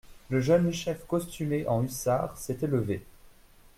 Le jeune chef costumé en hussard s'était levé.